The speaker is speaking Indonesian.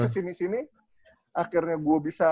kesini sini akhirnya gue bisa